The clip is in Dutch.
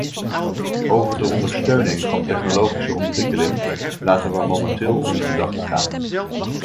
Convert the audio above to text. Over de ondersteuning van technologische ontwikkeling laten we momenteel onze gedachten gaan.